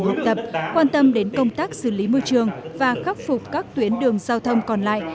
học tập quan tâm đến công tác xử lý môi trường và khắc phục các tuyến đường giao thông còn lại